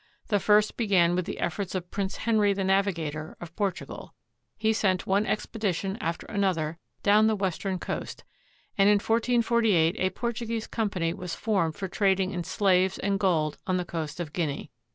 The first began with the efforts of Prince Henry the Navigator, of Portugal. He sent one expe dition after another down the western coast, and in 1448 a Portuguese company was formed for trading in slaves and gold on the coast of Guinea.